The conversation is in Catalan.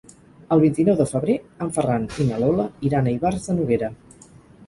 El vint-i-nou de febrer en Ferran i na Lola iran a Ivars de Noguera.